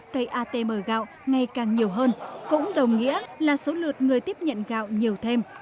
cây atm gạo ngày càng nhiều hơn cũng đồng nghĩa là số lượt người tiếp nhận gạo nhiều thêm